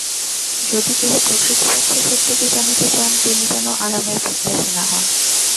যদি কেহ প্রকৃতপক্ষে সত্যকে জানিতে চান, তিনি যেন আরামের প্রত্যাশী না হন।